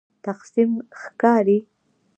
تقسیم ښکاري.